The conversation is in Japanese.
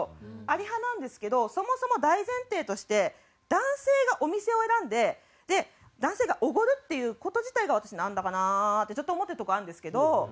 あり派なんですけどそもそも大前提として男性がお店を選んで男性がおごるっていう事自体が私なんだかなってちょっと思ってるとこあるんですけど。